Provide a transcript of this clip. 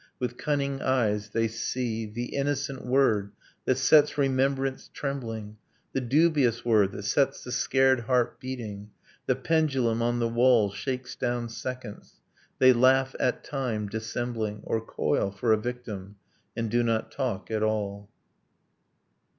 With cunning eyes they see The innocent word that sets remembrance trembling, The dubious word that sets the scared heart beating ... The pendulum on the wall Shakes down seconds ... They laugh at time, dissembling; Or coil for a victim and do not talk at all.